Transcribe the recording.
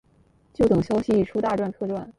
就等消息一出大赚特赚